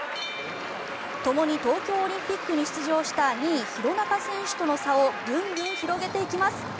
ともに東京オリンピックに出場した２位、廣中選手との差をぐんぐん広げていきます。